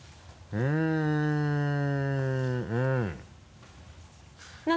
うんうん。